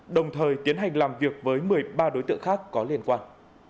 đồng thời tiến hành làm việc với một mươi ba đối tượng khác có liên quan